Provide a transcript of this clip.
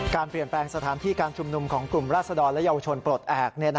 การเปลี่ยนแปลงสถานที่การชุมนุมของกลุ่มราศดรและเยาวชนปลดแอบ